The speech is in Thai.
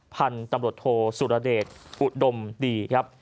พันธุ์ตำรวจโทสุรเดชอุดมดีครับ